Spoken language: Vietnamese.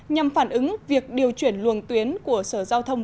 nhằm phản ứng việc điều chuyển luồng tuyến của sở giao thông